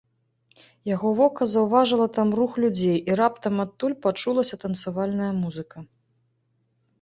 Яго вока заўважыла там рух людзей, і раптам адтуль пачулася танцавальная музыка.